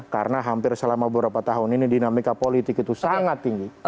karena hampir selama beberapa tahun ini dinamika politik itu sangat tinggi